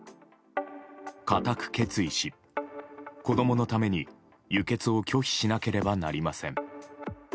固く決意し、子供のために輸血を拒否しなければなりません。